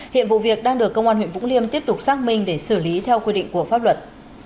hiện vụ việc đang được công an huyện vũng liêm tiếp tục xác minh để xử lý theo quy định của pháp luật